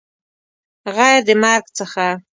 غیر د مرګ څخه